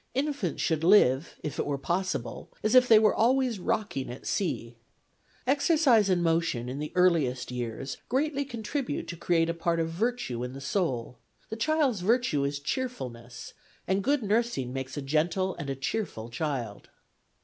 In fants should live, if it were possible, as if they were always rocking at sea. Exercise and motion in the earliest years greatly contribute to create a part of virtue in the soul : the child's virtue is cheerfulness, and good nursing makes a gentle and a cheerful child.